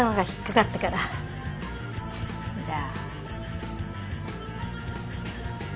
じゃあ。